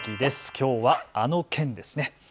きょうはあの県ですね。